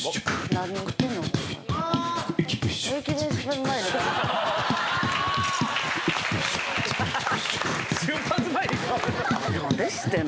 何を言ってんの？